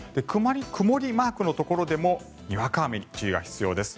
曇りマークのところでもにわか雨に注意が必要です。